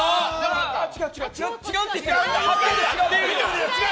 違うって言ってる！